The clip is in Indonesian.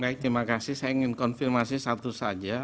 baik terima kasih saya ingin konfirmasi satu saja